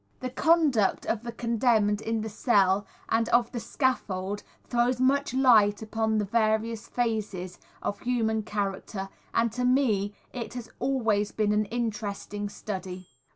The conduct of the condemned in the cell and on the scaffold throws much light upon the various phases of human character, and to me it has always been an interesting study.